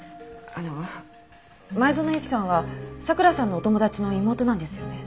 あの前園由紀さんは佐倉さんのお友達の妹なんですよね？